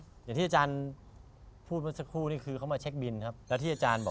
อย่างที่อาจารย์พูดพึ่งสักครู่คือเข้ามาเช็คบินครับ